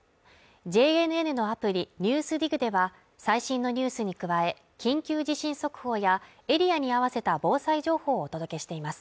ＪＮＮのアプリ「ＮＥＷＳＤＩＧ」では最新のニュースに加え、緊急地震速報やエリアに合わせた防災情報をお届けしています。